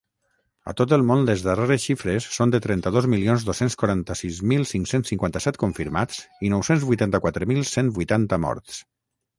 A tot el món, les darreres xifres són de trenta-dos milions dos-cents quaranta-sis mil cinc-cents cinquanta-set confirmats i nou-cents vuitanta-quatre mil cent vuitanta morts.